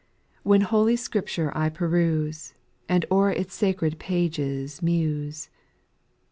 2. When Holy Scripture I peruse. And o'er its sacred pages muse.